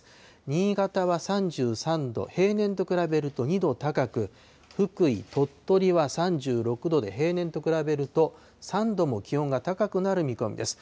新潟は３３度、平年と比べると２度高く、福井、鳥取は３６度で、平年と比べると３度も気温が高くなる見込みです。